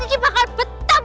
ini bakal betap